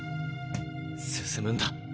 進むんだ。